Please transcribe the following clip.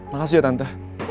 makasih ya tante